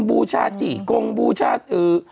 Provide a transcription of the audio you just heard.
บูชาจิกงบูชาอื้อ